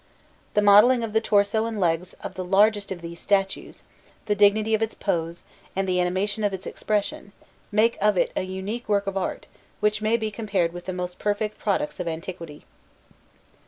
The modelling of the torso and legs of the largest of these statues, the dignity of its pose, and the animation of its expression, make of it a unique work of art which may be compared with the most perfect products of antiquity.